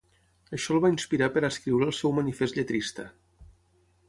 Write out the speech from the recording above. Això el va inspirar per escriure el seu manifest lletrista.